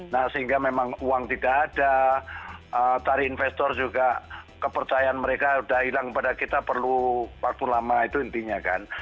nah sehingga memang uang tidak ada tari investor juga kepercayaan mereka sudah hilang pada kita perlu waktu lama itu intinya kan